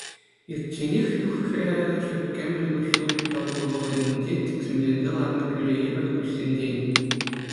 Ирчченех юхрӗ ҫут кӗмӗл куҫҫуль тӑвӑл вӑхӑтӗнче тӗксӗмленсе ларнӑ кӳлӗ евӗр куҫсенчен.